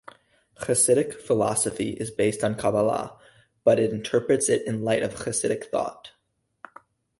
Chasidic philosophy is based on Kabbalah, but interprets it in light of Chasidic thought.